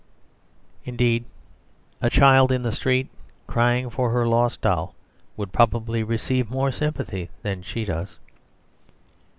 Indeed, a child in the street, crying for her lost doll, would probably receive more sympathy than she does.